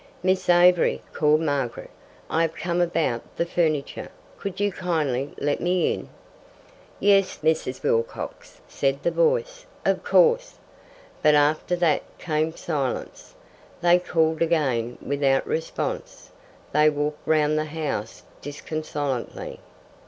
"Miss Avery!" called Margaret. "I have come about the furniture. Could you kindly let me in?" "Yes, Mrs. Wilcox," said the voice, "of course." But after that came silence. They called again without response. They walked round the house disconsolately.